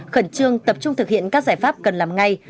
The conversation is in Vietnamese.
khẩn trương tập trung thực hiện các giải pháp cần làm ngay